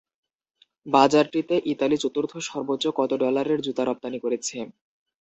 বাজারটিতে Italy চতুর্থ সর্বোচ্চ কত ডলারের জুতা রপ্তানি করেছে?